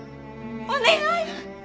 お願い！